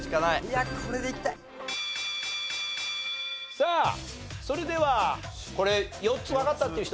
さあそれではこれ４つわかったっていう人？